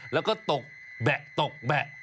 แล้วก็ตกแบะตกแบะ